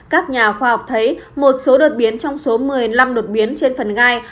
các nhà khoa học thấy một số đột biến trong số một mươi năm đột biến trên phần gai